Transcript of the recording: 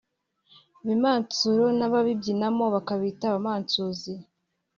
Ibimansuro n’ababibyinamo bakabita abamansuzi